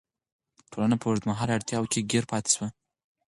ټولنه په اوږدمهاله اړتیاوو کې ګیر پاتې کیږي.